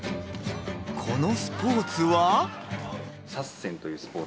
このスポーツは。